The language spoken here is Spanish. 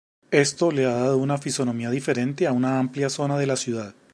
Esto le ha dado una fisonomía diferente a una amplia zona de la ciudad.